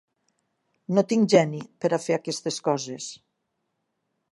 No tinc geni per a fer aquestes coses.